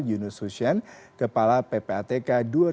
yunus husien kepala ppatk dua ribu dua dua ribu sebelas